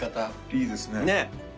いいですね。ねぇ。